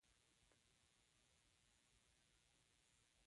سردار محمد اعظم خان ورغی.